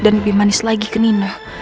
dan lebih manis lagi ke nino